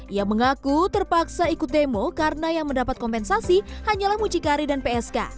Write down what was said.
ia mengaku terpaksa ikut demo karena yang mendapat kompensasi hanyalah mucikari dan psk